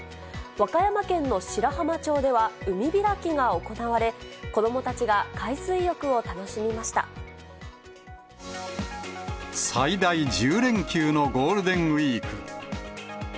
和歌山県の白浜町では海開きが行われ、子どもたちが海水浴を楽し最大１０連休のゴールデンウィーク。